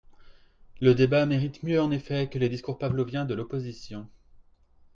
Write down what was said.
Le débat mérite mieux en effet que les discours pavloviens de l’opposition.